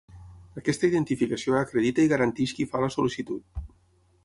Aquesta identificació acredita i garanteix qui fa la sol·licitud.